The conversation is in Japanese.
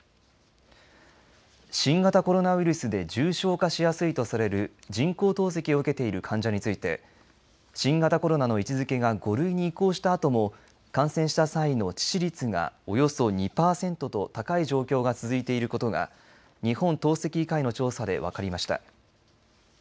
新型コロナウイルスで重症化しやすいとされる人工透析を受けている患者について新型コロナの位置づけが５類に移行したあとも感染した際の致死率がおよそ２パーセントと高い状況が続いていることが日本透析医会の調査で分かりました。